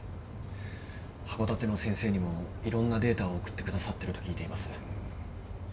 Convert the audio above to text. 函館の先生にもいろんなデータを送ってくださってると聞いています。